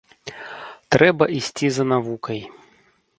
Трэба ісці за навукай.